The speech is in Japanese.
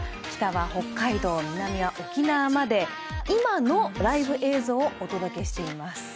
北は北海道、南は沖縄まで今のライブ映像をお届けしています。